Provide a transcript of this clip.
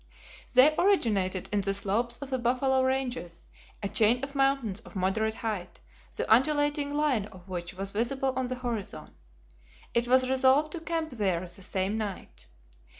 They originated in the slopes of the Buffalo Ranges, a chain of mountains of moderate height, the undulating line of which was visible on the horizon. It was resolved to camp there the same night.